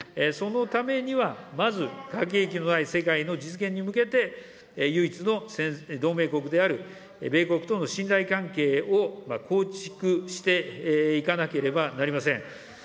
そのためには、まず核兵器のない世界の実現に向けて、唯一の同盟国である米国との信頼関係を構築していかなければなりません。